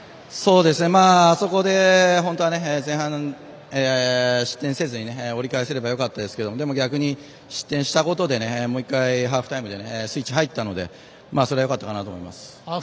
あそこで本当は前半、失点せずに折り返せればよかったですけど失点したことでもう一回ハーフタイムでスイッチ入ったのでそれはよかったかなと思います。